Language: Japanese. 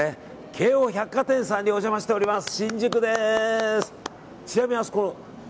京王百貨店さんにお邪魔しております。